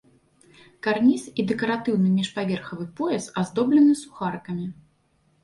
Карніз і дэкаратыўны міжпаверхавы пояс аздоблены сухарыкамі.